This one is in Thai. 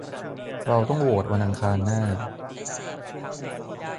เราต้องโหวตวันอังคารหน้า